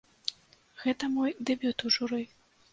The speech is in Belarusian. Гэта мой дэбют у журы.